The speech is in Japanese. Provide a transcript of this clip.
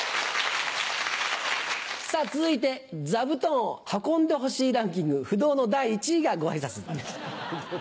さぁ続いて座布団を運んでほしいランキング不動の第１位がご挨拶。